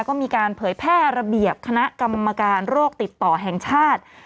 ก็มีการเผยแพร่ระเบียบคณะกรรมการโรคติดต่อแห่งชาติ